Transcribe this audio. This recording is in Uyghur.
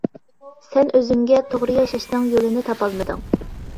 سەن ئۆزۈڭگە توغرا ياشاشنىڭ يولىنى تاپالمىدىڭ.